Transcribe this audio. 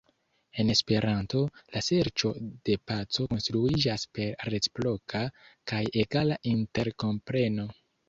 En Esperanto, la serĉo de paco konstruiĝas per reciproka kaj egala interkompreno.